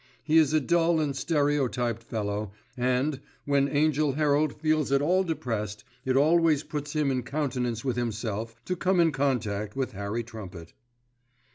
He is a dull and stereotyped fellow, and, when Angell Herald feels at all depressed, it always puts him in countenance with himself to come in contact with Harry Trumpet.